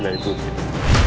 kita bisa berhenti